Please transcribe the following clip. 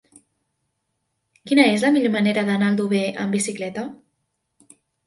Quina és la millor manera d'anar a Aldover amb bicicleta?